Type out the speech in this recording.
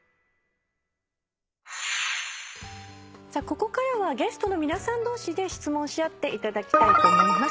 ここからはゲストの皆さん同士で質問し合っていただきたいと思います。